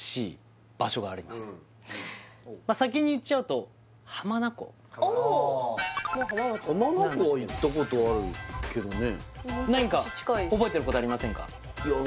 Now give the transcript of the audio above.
先に言っちゃうとああもう浜松だね浜名湖は行ったことあるけどね何か覚えてることありませんか？